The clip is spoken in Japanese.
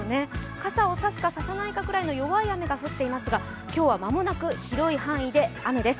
傘を差すか差さないかぐらいの弱い雨が降っていますが今日は間もなく広い範囲で雨です。